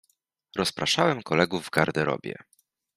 Rozpraszałem kolegów w garderobie.